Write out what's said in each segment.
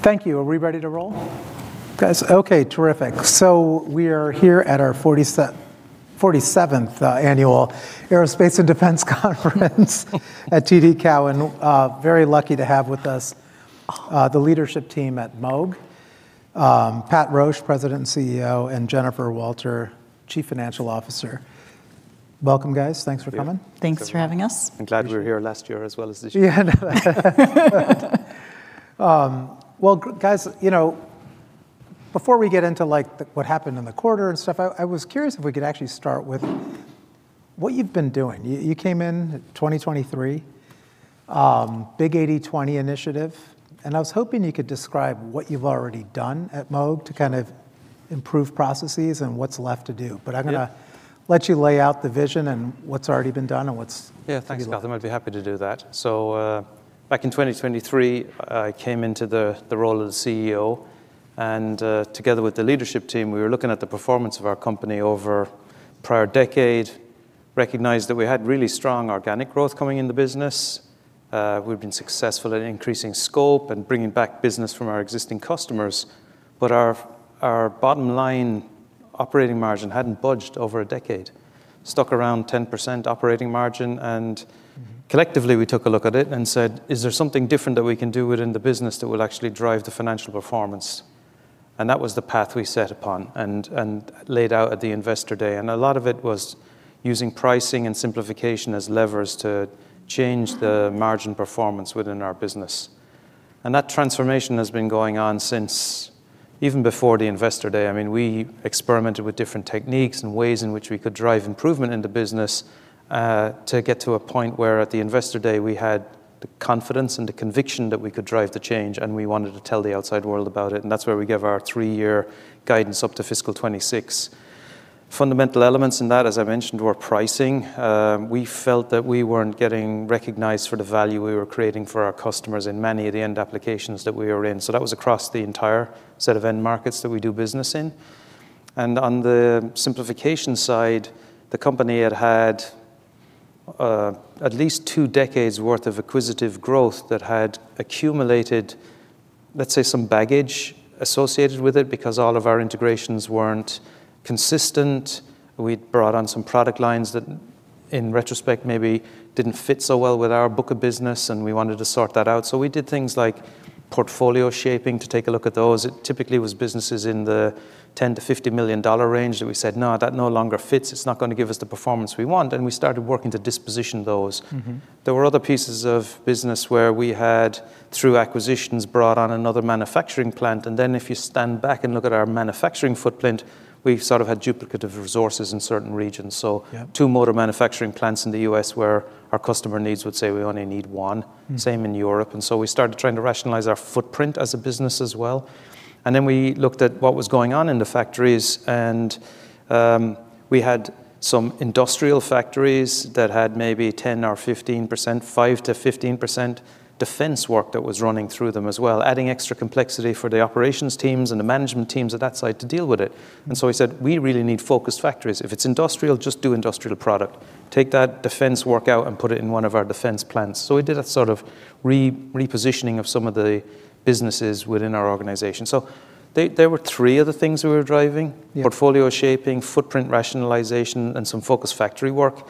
Thank you. Are we ready to roll, guys? Okay, terrific. We are here at our 47th Annual Aerospace and Defense Conference at TD Cowen. Very lucky to have with us, the leadership team at Moog: Pat Roche, President and CEO, and Jennifer Walter, Chief Financial Officer. Welcome, guys. Thanks for coming. Thanks for having us. I'm glad we were here last year as well as this year. Yeah, well, guys, you know, before we get into, like, what happened in the quarter and stuff, I was curious if we could actually start with what you've been doing. You came in in 2023, big 80/20 initiative, and I was hoping you could describe what you've already done at Moog to kind of improve processes and what's left to do. Yeah. But I'm gonna let you lay out the vision and what's already been done and what's— Yeah, thanks, Gautam, I'd be happy to do that. So, back in 2023, I came into the role of the CEO, and together with the leadership team, we were looking at the performance of our company over the prior decade. Recognized that we had really strong organic growth coming in the business. We've been successful at increasing scope and bringing back business from our existing customers. But our bottom line operating margin hadn't budged over a decade. Stuck around 10% operating margin, and collectively, we took a look at it and said: "Is there something different that we can do within the business that will actually drive the financial performance?" And that was the path we set upon and laid out at the Investor Day, and a lot of it was using pricing and simplification as levers to change the margin performance within our business. And that transformation has been going on since even before the Investor Day. I mean, we experimented with different techniques and ways in which we could drive improvement in the business, to get to a point where, at the Investor Day, we had the confidence and the conviction that we could drive the change, and we wanted to tell the outside world about it, and that's where we gave our three-year guidance up to fiscal 2026. Fundamental elements in that, as I mentioned, were pricing. We felt that we weren't getting recognized for the value we were creating for our customers in many of the end applications that we were in. That was across the entire set of end markets that we do business in. On the simplification side, the company had had at least two decades' worth of acquisitive growth that had accumulated, let's say, some baggage associated with it because all of our integrations weren't consistent. We'd brought on some product lines that, in retrospect, maybe didn't fit so well with our book of business, and we wanted to sort that out. We did things like portfolio shaping to take a look at those. It typically was businesses in the $10 million-$50 million range that we said, "No, that no longer fits. It's not gonna give us the performance we want," and we started working to disposition those. Mm-hmm. There were other pieces of business where we had, through acquisitions, brought on another manufacturing plant, and then if you stand back and look at our manufacturing footprint, we've sort of had duplicative resources in certain regions. Yeah. Two motor manufacturing plants in the U.S. where our customer needs would say we only need one. Mm. Same in Europe, and so we started trying to rationalize our footprint as a business as well. Then we looked at what was going on in the factories, and we had some industrial factories that had maybe 10% or 15%, 5%-15% defense work that was running through them as well, adding extra complexity for the operations teams and the management teams at that site to deal with it. And so we said, "We really need focused factories. If it's industrial, just do industrial product. Take that defense work out and put it in one of our defense plants." So we did a sort of repositioning of some of the businesses within our organization. So there were three of the things we were driving: Yeah. Portfolio shaping, footprint rationalization, and some focused factory work.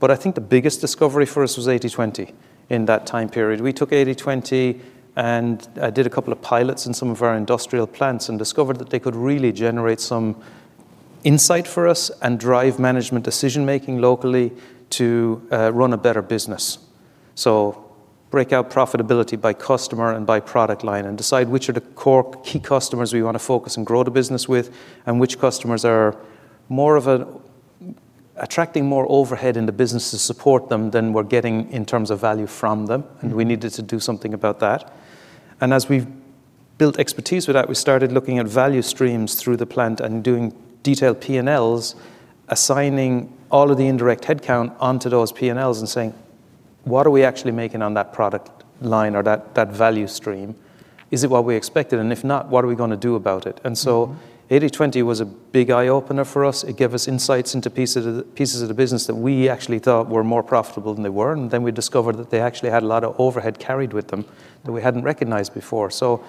But I think the biggest discovery for us was 80/20 in that time period. We took 80/20 and did a couple of pilots in some of our industrial plants and discovered that they could really generate some insight for us and drive management decision-making locally to run a better business. So break out profitability by customer and by product line and decide which are the core, key customers we wanna focus and grow the business with, and which customers are more of attracting more overhead in the business to support them than we're getting in terms of value from them. Mm. We needed to do something about that. As we've built expertise with that, we started looking at value streams through the plant and doing detailed P&Ls, assigning all of the indirect headcount onto those P&Ls and saying: "What are we actually making on that product line or that value stream? Is it what we expected, and if not, what are we gonna do about it? Mm-hmm. So 80/20 was a big eye-opener for us. It gave us insights into pieces of the business that we actually thought were more profitable than they were, and then we discovered that they actually had a lot of overhead carried with them that we hadn't recognized before. So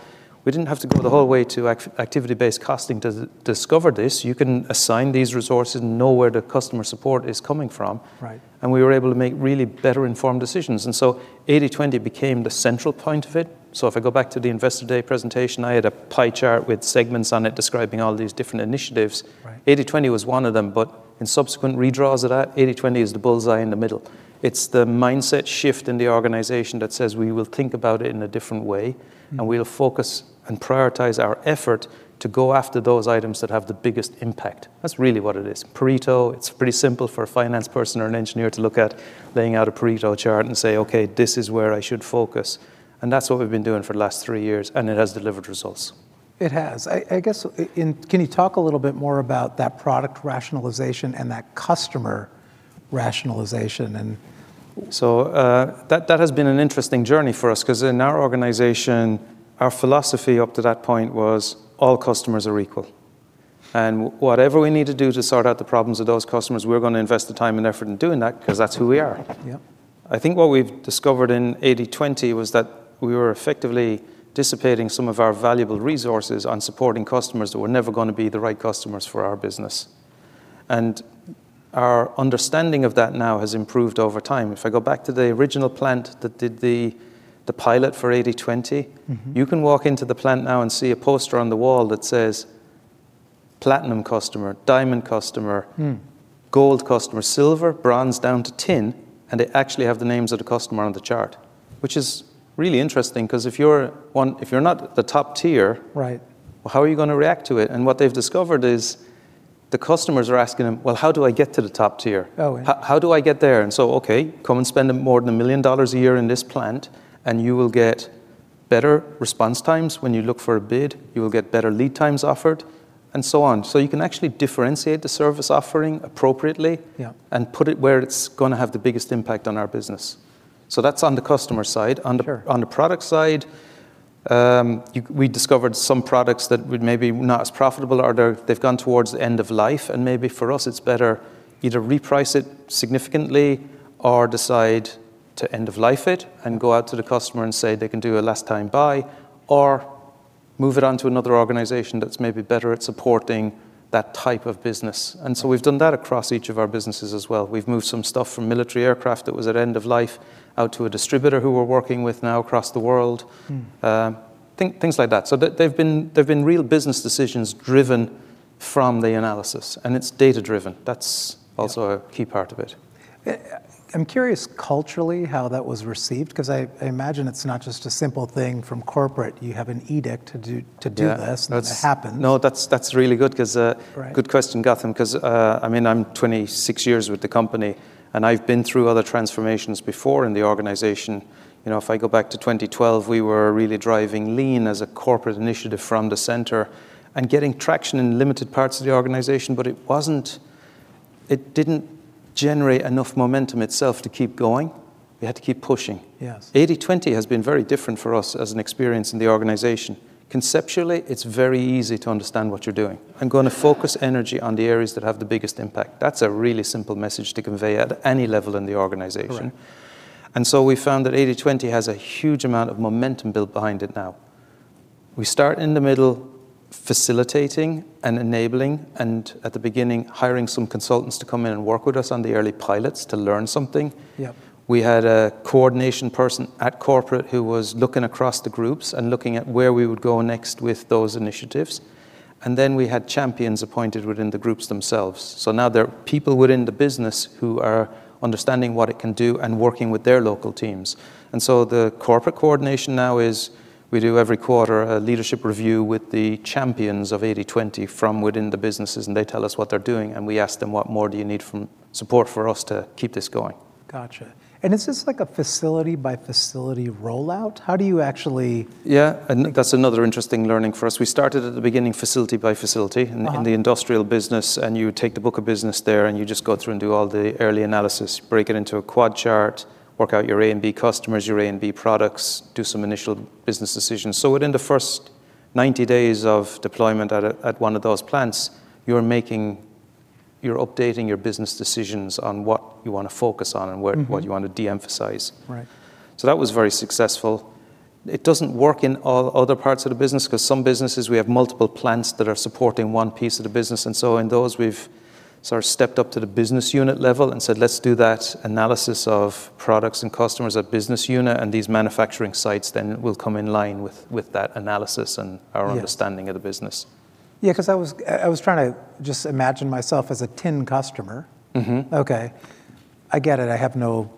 we didn't have to go the whole way to activity-based costing to discover this. You can assign these resources and know where the customer support is coming from. Right. We were able to make really better-informed decisions, and so 80/20 became the central point of it. If I go back to the Investor Day presentation, I had a pie chart with segments on it describing all these different initiatives. Right. 80/20 was one of them, but in subsequent redraws of that, 80/20 is the bullseye in the middle. It's the mindset shift in the organization that says we will think about it in a different way- Mm... and we'll focus and prioritize our effort to go after those items that have the biggest impact. That's really what it is. Pareto, it's pretty simple for a finance person or an engineer to look at laying out a Pareto chart and say, "Okay, this is where I should focus," and that's what we've been doing for the last three years, and it has delivered results. It has. I guess, can you talk a little bit more about that product rationalization and that customer rationalization and- So, that has been an interesting journey for us because in our organization, our philosophy up to that point was all customers are equal... and whatever we need to do to sort out the problems of those customers, we're gonna invest the time and effort in doing that, 'cause that's who we are. Yeah. I think what we've discovered in 80/20 was that we were effectively dissipating some of our valuable resources on supporting customers that were never gonna be the right customers for our business. Our understanding of that now has improved over time. If I go back to the original plant that did the pilot for 80/20- Mm-hmm. you can walk into the plant now and see a poster on the wall that says, "Platinum customer, diamond customer. Hmm. gold customer, silver, bronze, down to tin," and they actually have the names of the customer on the chart. Which is really interesting, 'cause if you're not the top tier- Right... well, how are you gonna react to it? And what they've discovered is, the customers are asking them, "Well, how do I get to the top tier? Oh, yeah. How, how do I get there?" And so, okay, come and spend more than $1 million a year in this plant, and you will get better response times when you look for a bid, you will get better lead times offered, and so on. So you can actually differentiate the service offering appropriately- Yeah... and put it where it's gonna have the biggest impact on our business. So that's on the customer side. Sure. On the product side, we discovered some products that were maybe not as profitable or they've gone towards the end of life, and maybe for us, it's better either reprice it significantly or decide to end of life it, and go out to the customer and say they can do a last time buy, or move it on to another organization that's maybe better at supporting that type of business. And so we've done that across each of our businesses as well. We've moved some stuff from military aircraft that was at end of life out to a distributor who we're working with now across the world. Hmm. Things like that. So they've been real business decisions driven from the analysis, and it's data-driven. That's- Yeah... also a key part of it. I'm curious culturally how that was received, 'cause I imagine it's not just a simple thing from corporate, you have an edict to do this- Yeah... and it happens. No, that's, that's really good, 'cause, Right... good question, Gautam, 'cause, I mean, I'm 26 years with the company, and I've been through other transformations before in the organization. You know, if I go back to 2012, we were really driving Lean as a corporate initiative from the center, and getting traction in limited parts of the organization, but it wasn't... It didn't generate enough momentum itself to keep going. We had to keep pushing. Yes. 80/20 has been very different for us as an experience in the organization. Conceptually, it's very easy to understand what you're doing. I'm gonna focus energy on the areas that have the biggest impact. That's a really simple message to convey at any level in the organization. Right. So we found that 80/20 has a huge amount of momentum built behind it now. We start in the middle, facilitating and enabling, and at the beginning, hiring some consultants to come in and work with us on the early pilots to learn something. Yeah. We had a coordination person at corporate who was looking across the groups and looking at where we would go next with those initiatives, and then we had champions appointed within the groups themselves. So now there are people within the business who are understanding what it can do and working with their local teams. And so the corporate coordination now is, we do every quarter a leadership review with the champions of 80/20 from within the businesses, and they tell us what they're doing, and we ask them: What more do you need from support for us to keep this going? Gotcha. Is this like a facility-by-facility rollout? How do you actually- Yeah, and that's another interesting learning for us. We started at the beginning, facility by facility- Uh-huh... in the industrial business, and you would take the book of business there, and you just go through and do all the early analysis, break it into a quad chart, work out your A and B customers, your A and B products, do some initial business decisions. So within the first 90 days of deployment at one of those plants, you're making... You're updating your business decisions on what you wanna focus on and what- Mm-hmm... what you want to de-emphasize. Right. So that was very successful. It doesn't work in all other parts of the business, 'cause some businesses, we have multiple plants that are supporting one piece of the business, and so in those, we've sort of stepped up to the business unit level and said, "Let's do that analysis of products and customers at business unit, and these manufacturing sites then will come in line with that analysis and- Yes... our understanding of the business. Yeah, 'cause I was, I was trying to just imagine myself as a tin customer. Mm-hmm. Okay, I get it, I have no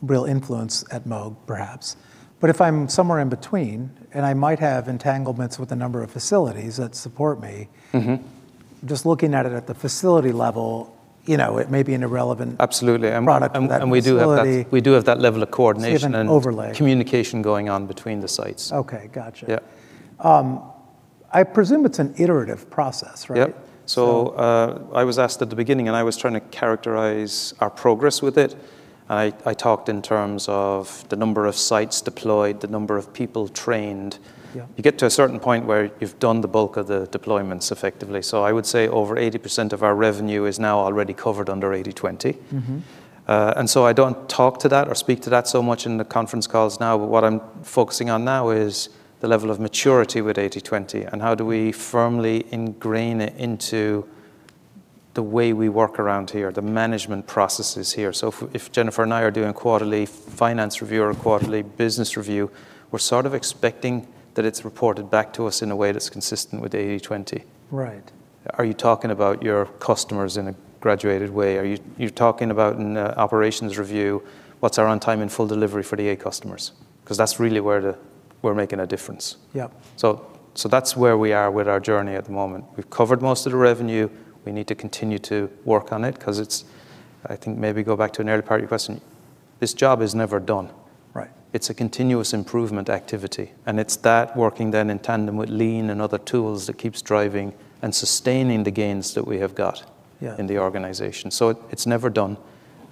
real influence at Moog, perhaps. But if I'm somewhere in between, and I might have entanglements with a number of facilities that support me- Mm-hmm... just looking at it at the facility level, you know, it may be an irrelevant- Absolutely... product in that facility. And we do have that, we do have that level of coordination and- You have an overlay.... communication going on between the sites. Okay, gotcha. Yeah. I presume it's an iterative process, right? Yep. So- So, I was asked at the beginning, and I was trying to characterize our progress with it. I talked in terms of the number of sites deployed, the number of people trained. Yeah. You get to a certain point where you've done the bulk of the deployments effectively. I would say over 80% of our revenue is now already covered under 80/20. Mm-hmm. And so I don't talk to that or speak to that so much in the conference calls now, but what I'm focusing on now is the level of maturity with 80/20, and how do we firmly ingrain it into the way we work around here, the management processes here? So if Jennifer and I are doing a quarterly finance review or a quarterly business review, we're sort of expecting that it's reported back to us in a way that's consistent with 80/20. Right. Are you talking about your customers in a graduated way? Are you talking about in a operations review, what's our on time and full delivery for the A customers? 'Cause that's really where the, we're making a difference. Yeah. So, so that's where we are with our journey at the moment. We've covered most of the revenue. We need to continue to work on it, 'cause it's... I think maybe go back to an earlier part of your question, this job is never done. Right. It's a continuous improvement activity, and it's that working then in tandem with Lean and other tools that keeps driving and sustaining the gains that we have got- Yeah... in the organization. So it, it's never done...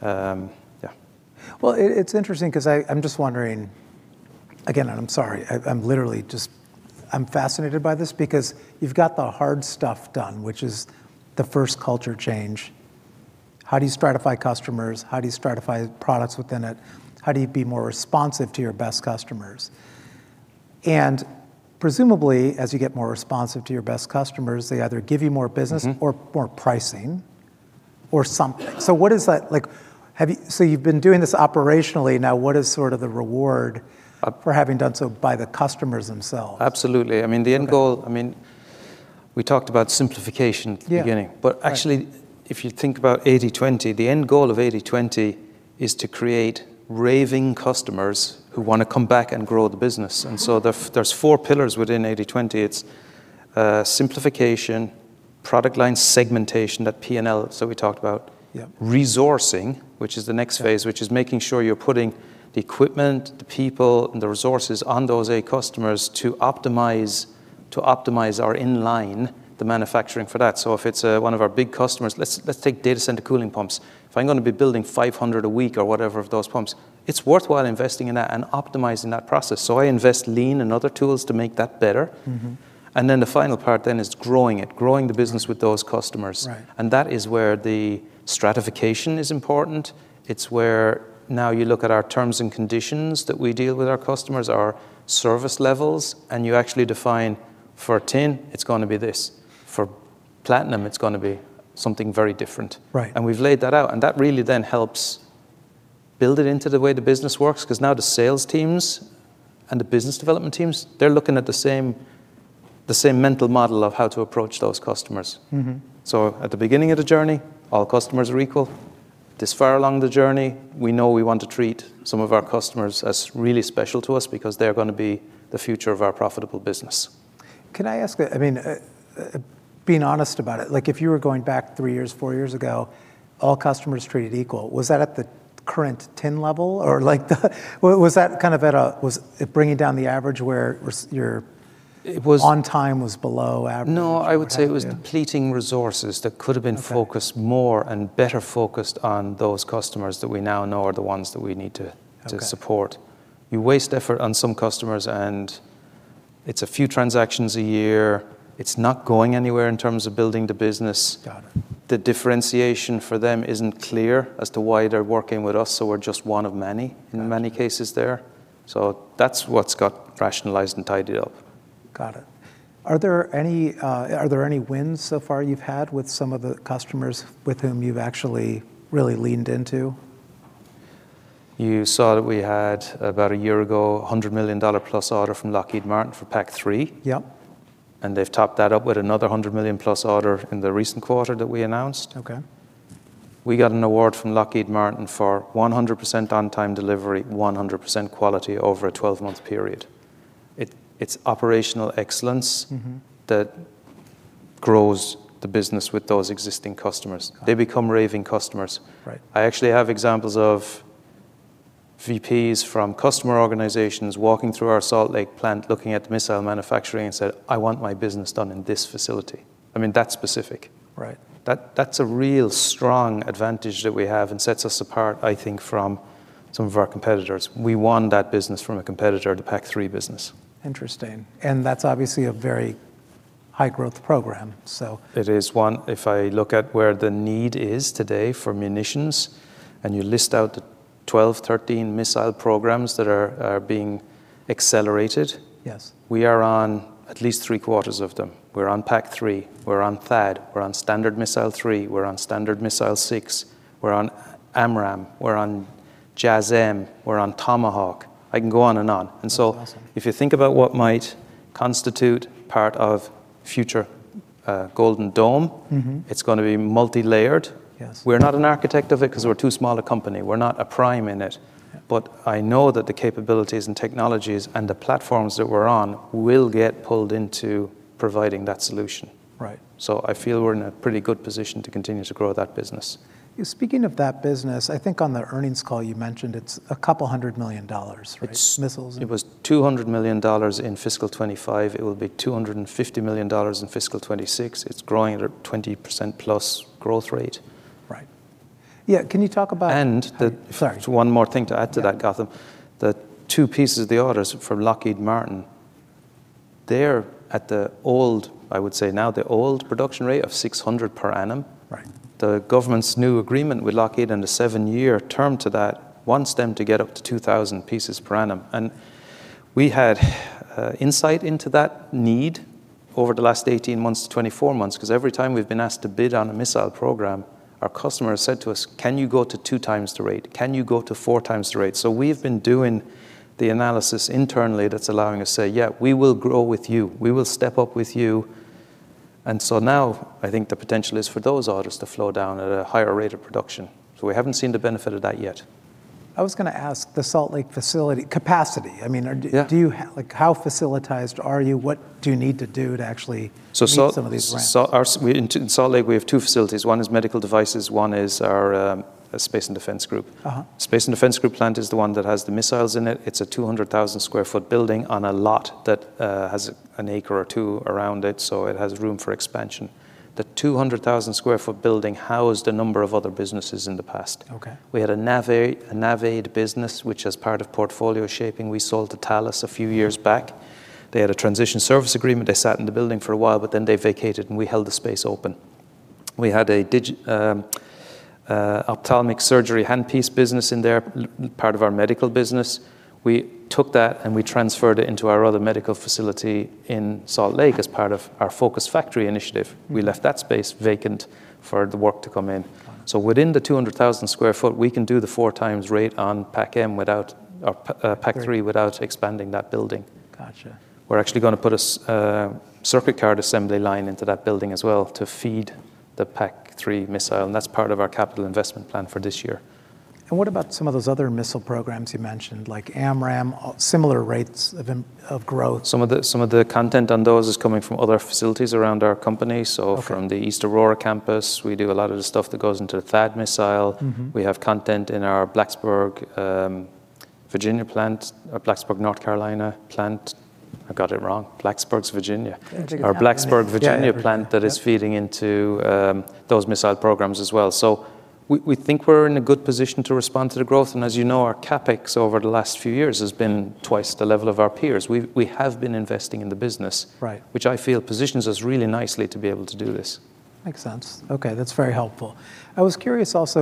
Yeah. Well, it's interesting, 'cause I'm just wondering again, and I'm sorry, I'm literally just— I'm fascinated by this because you've got the hard stuff done, which is the first culture change. How do you stratify customers? How do you stratify products within it? How do you be more responsive to your best customers? And presumably, as you get more responsive to your best customers, they either give you more business- Mm-hmm... or more pricing or something. So what is that, like, so you've been doing this operationally, now what is sort of the reward- Uh for having done so by the customers themselves? Absolutely. I mean, the end goal, I mean, we talked about simplification at the beginning. Yeah. But actually- Right... if you think about 80/20, the end goal of 80/20 is to create raving customers who wanna come back and grow the business. And so there, there's four pillars within 80/20. It's simplification, product line segmentation, that P&L that we talked about. Yeah. Resourcing, which is the next phase- Yeah... which is making sure you're putting the equipment, the people, and the resources on those A customers to optimize, to optimize our in-line, the manufacturing for that. So if it's one of our big customers, let's take data center cooling pumps. If I'm gonna be building 500 a week or whatever of those pumps, it's worthwhile investing in that and optimizing that process. So I invest lean and other tools to make that better. Mm-hmm. And then the final part then is growing it, growing the business with those customers. Right. That is where the stratification is important. It's where now you look at our terms and conditions that we deal with our customers, our service levels, and you actually define, for tin, it's gonna be this. For platinum, it's gonna be something very different. Right. We've laid that out, and that really then helps build it into the way the business works, 'cause now the sales teams and the business development teams, they're looking at the same, the same mental model of how to approach those customers. Mm-hmm. So at the beginning of the journey, all customers are equal. This far along the journey, we know we want to treat some of our customers as really special to us because they're gonna be the future of our profitable business. Can I ask, I mean, being honest about it, like, if you were going back three years, four years ago, all customers treated equal, was that at the current tin level? Or like the... Was that kind of at a, was it bringing down the average where res- your- It was-... on time was below average? Or how did you- No, I would say it was depleting resources that could have been focused- Okay... more and better focused on those customers that we now know are the ones that we need to- Okay... to support. You waste effort on some customers, and it's a few transactions a year. It's not going anywhere in terms of building the business. Got it. The differentiation for them isn't clear as to why they're working with us, so we're just one of many- Got it... in many cases there. So that's what's got rationalized and tidied up. Got it. Are there any wins so far you've had with some of the customers with whom you've actually really leaned into? You saw that we had, about a year ago, a $100 million plus order from Lockheed Martin for PAC-3. Yep. They've topped that up with another $100 million plus order in the recent quarter that we announced. Okay. We got an award from Lockheed Martin for 100% on-time delivery, 100% quality over a 12-month period. It's operational excellence- Mm-hmm... that grows the business with those existing customers. Got it. They become raving customers. Right. I actually have examples of VPs from customer organizations walking through our Salt Lake plant, looking at missile manufacturing, and said, "I want my business done in this facility." I mean, that specific. Right. That, that's a real strong advantage that we have and sets us apart, I think, from some of our competitors. We won that business from a competitor, the PAC-3 business. Interesting. That's obviously a very high-growth program, so. It is one. If I look at where the need is today for munitions, and you list out the 12, 13 missile programs that are being accelerated- Yes... we are on at least three-quarters of them. We're on PAC-3, we're on THAAD, we're on Standard Missile-3, we're on Standard Missile-6, we're on AMRAAM, we're on JASSM, we're on Tomahawk. I can go on and on. That's awesome. And so if you think about what might constitute part of future, Golden Dome- Mm-hmm... it's gonna be multilayered. Yes. We're not an architect of it 'cause we're too small a company. We're not a prime in it. Yeah. But I know that the capabilities and technologies and the platforms that we're on will get pulled into providing that solution. Right. I feel we're in a pretty good position to continue to grow that business. Speaking of that business, I think on the earnings call, you mentioned it's $200 million, right? It's- Missiles and- It was $200 million in fiscal 2025. It will be $250 million in fiscal 2026. It's growing at a 20%+ growth rate. Right. Yeah, can you talk about- And the- Sorry. One more thing to add to that, Gautam. Yeah. The two pieces of the orders from Lockheed Martin, they're at the old, I would say now, the old production rate of 600 per annum. Right. The government's new agreement with Lockheed and the seven-year term to that wants them to get up to 2,000 pieces per annum. We had insight into that need over the last 18 months to 24 months, 'cause every time we've been asked to bid on a missile program, our customer has said to us: "Can you go to 2x the rate? Can you go to 4x the rate?" So we've been doing the analysis internally that's allowing us to say, "Yeah, we will grow with you. We will step up with you." And so now I think the potential is for those orders to flow down at a higher rate of production. So we haven't seen the benefit of that yet. I was gonna ask, the Salt Lake facility capacity, I mean, or do- Yeah... do you, like, how facilitized are you? What do you need to do to actually- So Salt- meet some of these demands? In Salt Lake, we have two facilities. One is medical devices, one is our space and defense group. Uh-huh. Space and Defense group plant is the one that has the missiles in it. It's a 200,000 sq ft building on a lot that has an acre or two around it, so it has room for expansion. The 200,000 sq ft building housed a number of other businesses in the past. Okay. We had a nav aid business, which as part of portfolio shaping, we sold to Thales a few years back. They had a transition service agreement. They sat in the building for a while, but then they vacated, and we held the space open. We had a digital ophthalmic surgery handpiece business in there, part of our medical business. We took that, and we transferred it into our other medical facility in Salt Lake as part of our focused factory initiative. We left that space vacant for the work to come in. Gotcha. So within the 200,000 sq ft, we can do the 4x rate on PAC-3 without, or PAC-3- Right... without expanding that building. Gotcha. We're actually gonna put a circuit card assembly line into that building as well to feed the PAC-3 missile, and that's part of our capital investment plan for this year. What about some of those other missile programs you mentioned, like AMRAAM, similar rates of growth? Some of the content on those is coming from other facilities around our company. Okay. From the East Aurora campus, we do a lot of the stuff that goes into the THAAD missile. Mm-hmm. We have content in our Blacksburg, Virginia plant, or Blacksburg, North Carolina plant. I got it wrong. Blacksburg's Virginia. Virginia. Our Blacksburg, Virginia plant- Yeah... that is feeding into those missile programs as well. So we think we're in a good position to respond to the growth, and as you know, our CapEx over the last few years has been twice the level of our peers. We've been investing in the business- Right... which I feel positions us really nicely to be able to do this. Makes sense. Okay, that's very helpful. I was curious also,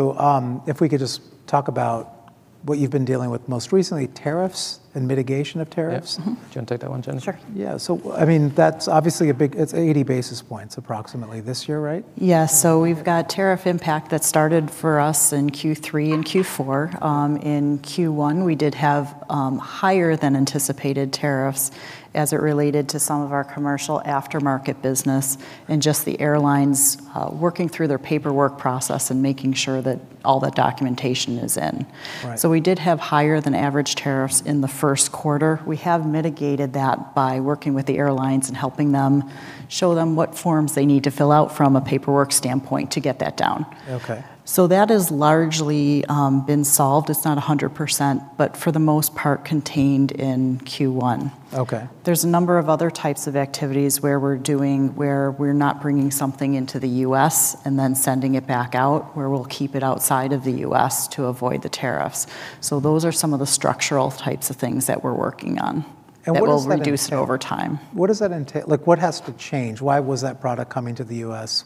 if we could just talk about what you've been dealing with most recently, tariffs and mitigation of tariffs? Yep. Mm-hmm. Do you want to take that one, Jennifer? Sure. Yeah, so, I mean, that's obviously, it's 80 basis points approximately this year, right? Yeah, so we've got tariff impact that started for us in Q3 and Q4. In Q1, we did have higher than anticipated tariffs as it related to some of our commercial aftermarket business, and just the airlines working through their paperwork process and making sure that all the documentation is in. Right. We did have higher than average tariffs in the first quarter. We have mitigated that by working with the airlines and helping them, showing them what forms they need to fill out from a paperwork standpoint to get that down. Okay. So that has largely been solved. It's not 100%, but for the most part, contained in Q1. Okay. There's a number of other types of activities where we're doing, where we're not bringing something into the U.S. and then sending it back out, where we'll keep it outside of the U.S. to avoid the tariffs. So those are some of the structural types of things that we're working on. What does that entail? That will reduce it over time. What does that entail? Like, what has to change? Why was that product coming to the U.S.?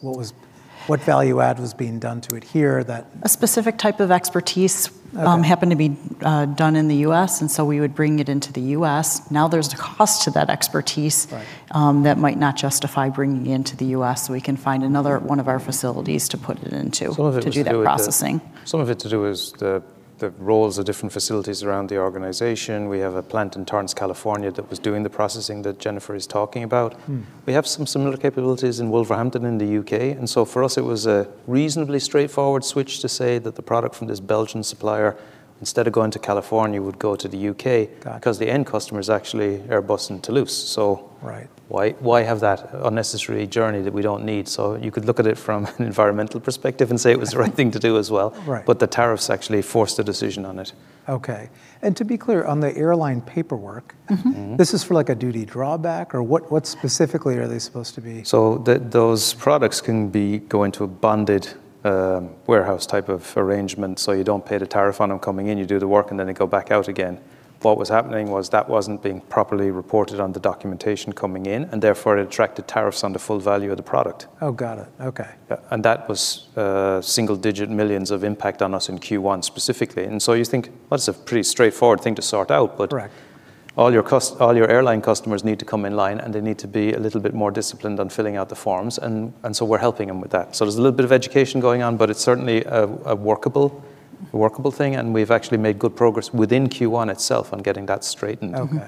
What value add was being done to it here that- A specific type of expertise- Okay... happened to be done in the U.S., and so we would bring it into the U.S. Now, there's a cost to that expertise- Right... that might not justify bringing it into the U.S. So we can find another one of our facilities to put it into- Some of it has to do with the- -to do that processing. Some of it to do with the roles of different facilities around the organization. We have a plant in Torrance, California, that was doing the processing that Jennifer is talking about. Hmm. We have some similar capabilities in Wolverhampton, in the U.K., and so for us, it was a reasonably straightforward switch to say that the product from this Belgian supplier, instead of going to California, would go to the U.K. Gotcha... because the end customer is actually Airbus in Toulouse. So- Right... why, why have that unnecessary journey that we don't need? So you could look at it from an environmental perspective and say it was the right thing to do as well. Right. But the tariffs actually forced a decision on it. Okay, and to be clear, on the airline paperwork- Mm-hmm. Mm-hmm... this is for, like, a duty drawback, or what, what specifically are they supposed to be? So those products can be going to a bonded warehouse type of arrangement, so you don't pay the tariff on them coming in. You do the work, and then they go back out again. What was happening was that wasn't being properly reported on the documentation coming in, and therefore, it attracted tariffs on the full value of the product. Oh, got it. Okay. Yeah, and that was single-digit millions of impact on us in Q1 specifically, and so you think, "Well, that's a pretty straightforward thing to sort out," but- Correct ... all your airline customers need to come in line, and they need to be a little bit more disciplined on filling out the forms, and so we're helping them with that. So there's a little bit of education going on, but it's certainly a workable thing, and we've actually made good progress within Q1 itself on getting that straightened. Mm-hmm. Okay,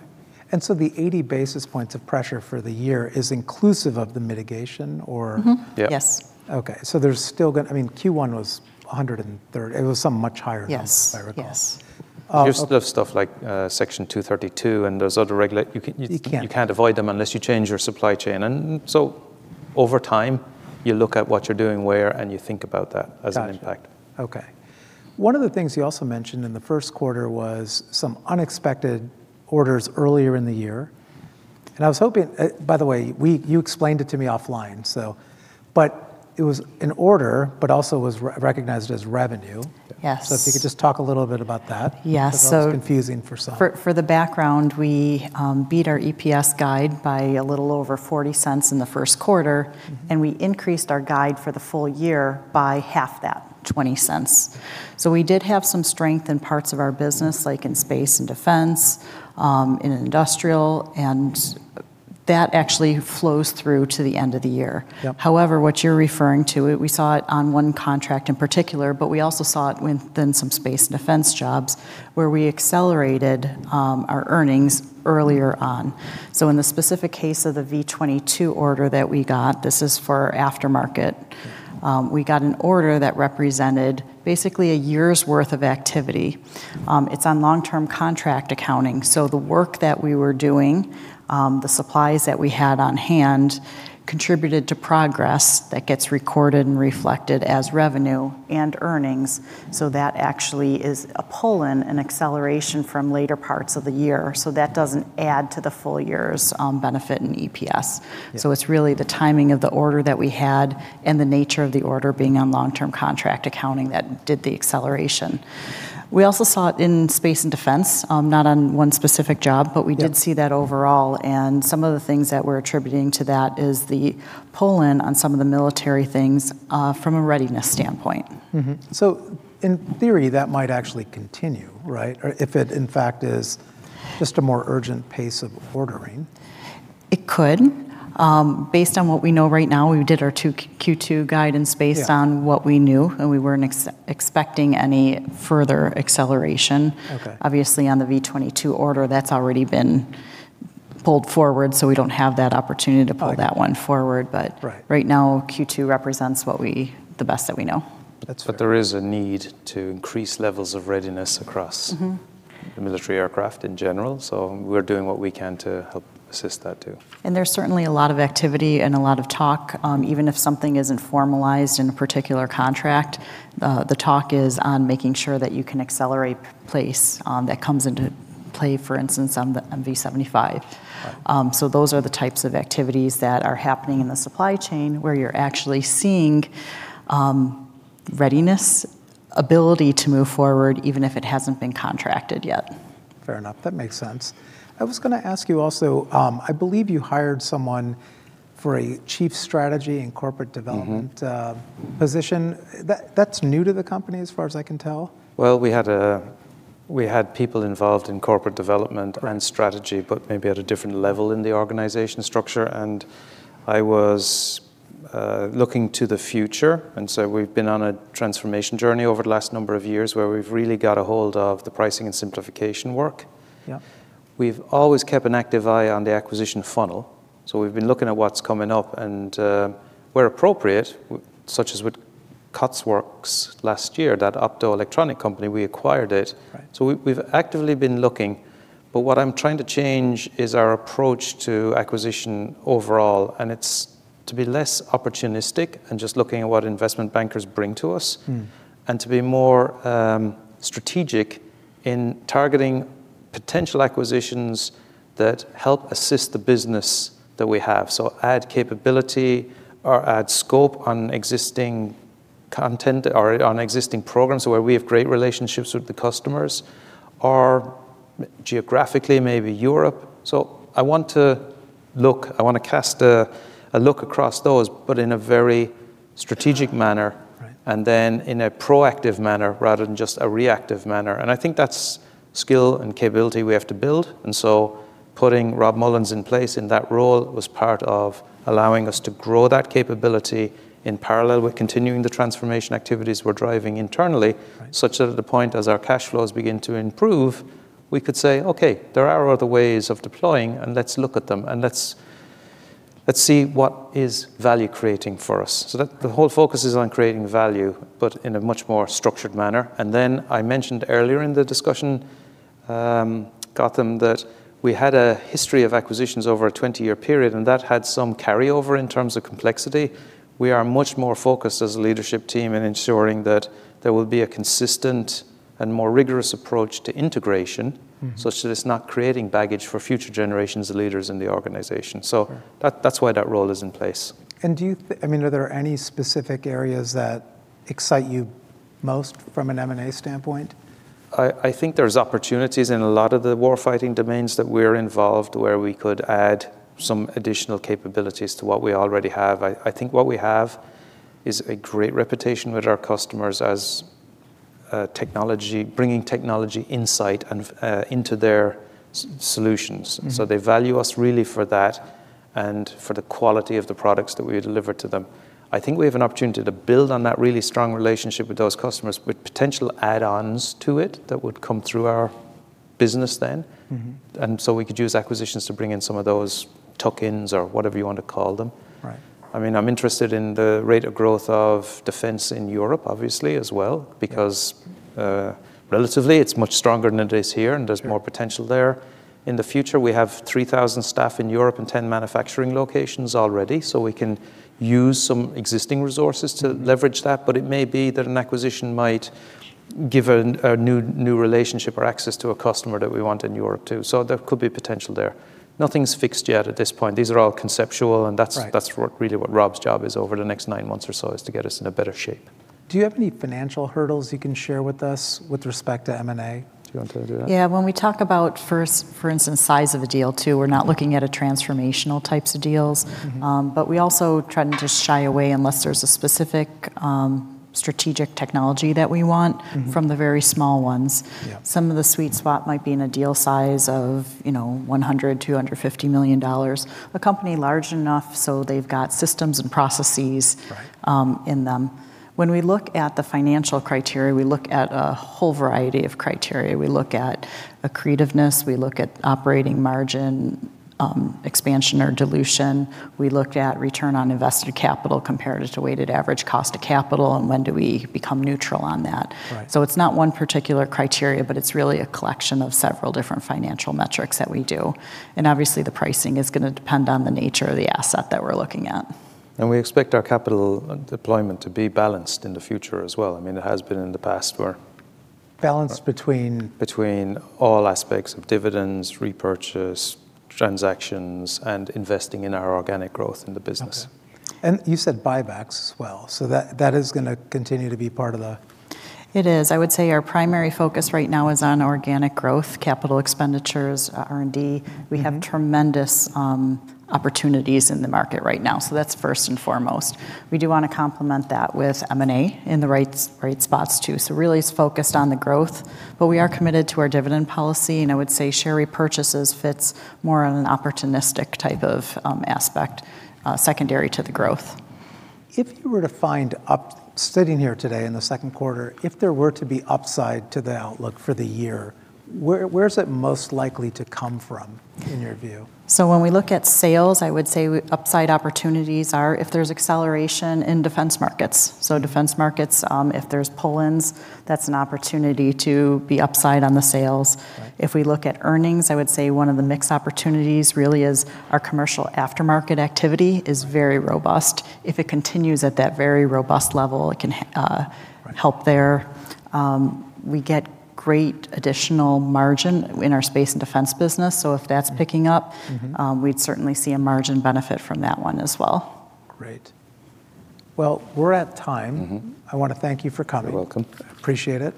and so the 80 basis points of pressure for the year is inclusive of the mitigation, or-? Mm-hmm. Yeah. Yes. Okay, so there's still I mean, Q1 was 130... It was something much higher than this- Yes... I recall. Yes. Uh, okay- You still have stuff like, Section 232 and those other regula- You can't... you can't avoid them unless you change your supply chain, and so over time, you look at what you're doing where, and you think about that as an impact. Gotcha. Okay. One of the things you also mentioned in the first quarter was some unexpected orders earlier in the year, and I was hoping, by the way, you explained it to me offline, so... But it was an order, but also was recognized as revenue. Yes. So, if you could just talk a little bit about that- Yes, so- Because that was confusing for some. For the background, we beat our EPS guide by a little over $0.40 in the first quarter- Mm... and we increased our guide for the full year by half that, $0.20. So we did have some strength in parts of our business, like in space and defense, in industrial, and that actually flows through to the end of the year. Yep. However, what you're referring to, we saw it on one contract in particular, but we also saw it within some space and defense jobs, where we accelerated our earnings earlier on. So in the specific case of the V-22 order that we got, this is for our aftermarket, we got an order that represented basically a year's worth of activity. It's on long-term contract accounting, so the work that we were doing, the supplies that we had on hand, contributed to progress that gets recorded and reflected as revenue and earnings. So that actually is a pull-in, an acceleration from later parts of the year, so that doesn't add to the full year's benefit in EPS. Yeah. So it's really the timing of the order that we had and the nature of the order being on long-term contract accounting that did the acceleration. We also saw it in space and defense, not on one specific job- Yep... but we did see that overall, and some of the things that we're attributing to that is the pull-in on some of the military things, from a readiness standpoint. Mm-hmm. So in theory, that might actually continue, right? Or if it, in fact, is just a more urgent pace of ordering? It could. Based on what we know right now, we did our two, Q2 guidance- Yeah based on what we knew, and we weren't expecting any further acceleration. Okay. Obviously, on the V-22 order, that's already been pulled forward, so we don't have that opportunity to pull that one forward, but- Right... right now, Q2 represents the best that we know. That's- There is a need to increase levels of readiness across- Mm-hmm The military aircraft in general, so we're doing what we can to help assist that, too. There's certainly a lot of activity and a lot of talk. Even if something isn't formalized in a particular contract, the talk is on making sure that you can accelerate plays, that comes into play, for instance, on V75. Right. So those are the types of activities that are happening in the supply chain, where you're actually seeing, readiness, ability to move forward, even if it hasn't been contracted yet. Fair enough. That makes sense. I was gonna ask you also, I believe you hired someone for a Chief Strategy and Corporate Development- Mm-hmm... position. That, that's new to the company, as far as I can tell? Well, we had people involved in corporate development. Right... and strategy, but maybe at a different level in the organization structure, and I was looking to the future, and so we've been on a transformation journey over the last number of years, where we've really got a hold of the pricing and simplification work. Yeah. We've always kept an active eye on the acquisition funnel, so we've been looking at what's coming up, and, where appropriate, such as with COTSWORKS last year, that optoelectronic company, we acquired it. Right. So we've actively been looking, but what I'm trying to change is our approach to acquisition overall, and it's to be less opportunistic and just looking at what investment bankers bring to us- Mm... and to be more strategic in targeting potential acquisitions that help assist the business that we have. So add capability or add scope on existing content or on existing programs where we have great relationships with the customers, or geographically, maybe Europe. So I want to look, I want to cast a look across those, but in a very strategic manner- Right... and then in a proactive manner, rather than just a reactive manner, and I think that's skill and capability we have to build. And so putting Rob Mullins in place in that role was part of allowing us to grow that capability in parallel with continuing the transformation activities we're driving internally- Right... such that at the point as our cash flows begin to improve, we could say, "Okay, there are other ways of deploying, and let's look at them, and let's, let's see what is value creating for us." So that the whole focus is on creating value, but in a much more structured manner. And then I mentioned earlier in the discussion, Gautam, that we had a history of acquisitions over a 20-year period, and that had some carryover in terms of complexity. We are much more focused as a leadership team in ensuring that there will be a consistent and more rigorous approach to integration- Mm... such that it's not creating baggage for future generations of leaders in the organization. Sure. So that, that's why that role is in place. I mean, are there any specific areas that excite you most from an M&A standpoint? I think there's opportunities in a lot of the warfighting domains that we're involved, where we could add some additional capabilities to what we already have. I think what we have is a great reputation with our customers as technology bringing technology insight and into their solutions. Mm. They value us really for that and for the quality of the products that we deliver to them. I think we have an opportunity to build on that really strong relationship with those customers, with potential add-ons to it that would come through our business then. Mm-hmm. And so we could use acquisitions to bring in some of those tuck-ins or whatever you want to call them. Right. I mean, I'm interested in the rate of growth of defense in Europe, obviously, as well- Yeah... because, relatively, it's much stronger than it is here, and there's- Yeah... more potential there. In the future, we have 3,000 staff in Europe and 10 manufacturing locations already, so we can use some existing resources to leverage that, but it may be that an acquisition might give a new relationship or access to a customer that we want in Europe, too. So there could be potential there. Nothing's fixed yet at this point. These are all conceptual, and that's- Right... that's what really Rob's job is over the next nine months or so, is to get us in a better shape. Do you have any financial hurdles you can share with us with respect to M&A? Do you want to do that? Yeah, when we talk about first, for instance, size of a deal, too, we're not looking at transformational types of deals. Mm-hmm. But we also try not to shy away, unless there's a specific strategic technology that we want- Mm-hmm... from the very small ones. Yeah. Some of the sweet spot might be in a deal size of, you know, $100 million-$250 million, a company large enough so they've got systems and processes- Right... in them. When we look at the financial criteria, we look at a whole variety of criteria. We look at accretiveness, we look at operating margin, expansion or dilution, we look at return on invested capital compared to weighted average cost of capital, and when do we become neutral on that? Right. It's not one particular criteria, but it's really a collection of several different financial metrics that we do, and obviously, the pricing is gonna depend on the nature of the asset that we're looking at. We expect our capital deployment to be balanced in the future as well. I mean, it has been in the past where- Balanced between? Between all aspects of dividends, repurchase, transactions, and investing in our organic growth in the business. Okay. And you said buybacks as well, so that, that is gonna continue to be part of the- It is. I would say our primary focus right now is on organic growth, capital expenditures, R&D. Mm-hmm. We have tremendous opportunities in the market right now, so that's first and foremost. We do wanna complement that with M&A in the right spots, too, so really it's focused on the growth, but we are committed to our dividend policy, and I would say share repurchases fits more on an opportunistic type of aspect, secondary to the growth. If you were to wind up sitting here today in the second quarter, if there were to be upside to the outlook for the year, where, where's it most likely to come from, in your view? So when we look at sales, I would say upside opportunities are if there's acceleration in defense markets. So defense markets, if there's pull-ins, that's an opportunity to be upside on the sales. Right. If we look at earnings, I would say one of the mixed opportunities really is our commercial aftermarket activity is very robust. If it continues at that very robust level, it can Right... help there. We get great additional margin in our space and defense business, so if that's picking up- Mm-hmm, mm-hmm... we'd certainly see a margin benefit from that one as well. Great. Well, we're at time. Mm-hmm. I want to thank you for coming. You're welcome. Appreciate it.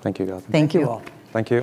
Thank you, Gautam. Thank you all. Thank you.